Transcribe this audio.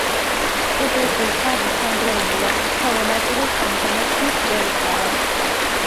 ეკლესიის თაღი ჩანგრეულია, ხოლო ნაწილებს ამჟამად ხის ჭერი ფარავს.